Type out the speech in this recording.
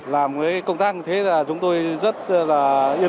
làm với công tác như thế là chúng tôi rất là yên tâm khi mà tham gia giao thông